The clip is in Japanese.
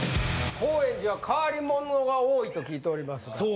高円寺は変わり者が多いと聞いておりますが。